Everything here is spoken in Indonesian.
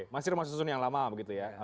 masih rumah susun yang lama begitu ya